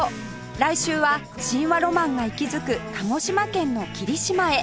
来週は神話ロマンが息づく鹿児島県の霧島へ